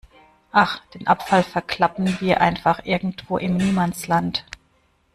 Ach, den Abfall verklappen wir einfach irgendwo im Niemandsland.